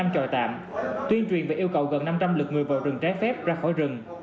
năm chòi tạm tuyên truyền về yêu cầu gần năm trăm linh lực người vào rừng trái phép ra khỏi rừng